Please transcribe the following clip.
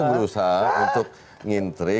ini berusaha untuk ngintrik